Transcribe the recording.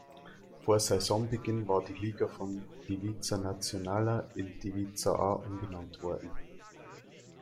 Vor Saisonbeginn war die Liga von "Divizia Națională" in "Divizia A" umbenannt worden.